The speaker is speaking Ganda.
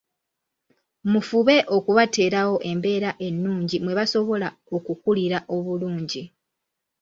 Mufube okubateerawo embeera ennungi mwe basobola okukulira obulungi.